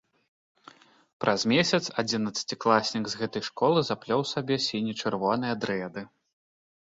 Праз месяц адзінаццацікласнік з гэтай школы заплёў сабе сіне-чырвоныя дрэды.